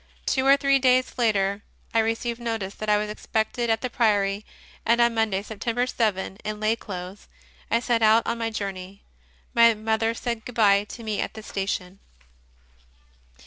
Two or three days later I received notice that I was expected at the Priory, and on Monday, September 7, in lay clothes, I set out on my journey. My mother said good bye to me at the station.